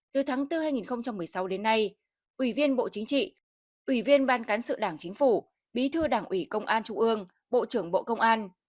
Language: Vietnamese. từ tháng bốn hai nghìn một mươi sáu đến nay ủy viên bộ chính trị ủy viên ban cán sự đảng chính phủ bí thư đảng ủy công an trung ương bộ trưởng bộ công an